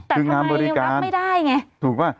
แต่ทำไมรับไม่ได้ไง